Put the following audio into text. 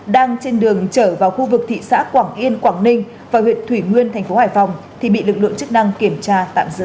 đang trên đường chở vào khu vực thị xã quảng yên quảng ninh và huyện thủy nguyên tp hải phòng bị lực lượng chức năng kiểm tra tạm giữ